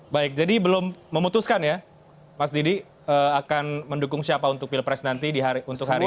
baik jadi belum memutuskan ya mas didi akan mendukung siapa untuk pilpres nanti untuk hari ini